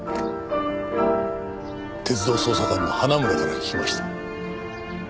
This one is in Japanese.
鉄道捜査官の花村から聞きました。